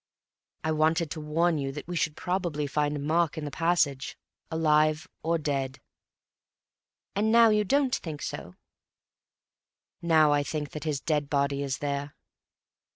"I wanted to warn you that we should probably find Mark in the passage, alive or dead." "And now you don't think so?" "Now I think that his dead body is there."